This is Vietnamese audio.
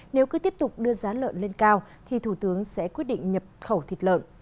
nếu cứ tiếp tục đưa giá lợn lên cao thì thủ tướng sẽ quyết định nhập khẩu thịt lợn